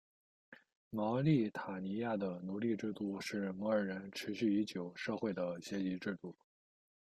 茅利塔尼亚的奴隶制度是摩尔人持续已久社会的阶级制度。